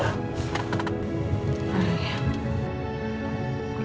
aku mau pergi